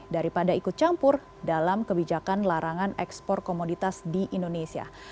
daripada ikut campur dalam kebijakan larangan ekspor komoditas di indonesia